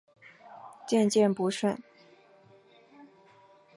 渐渐不顺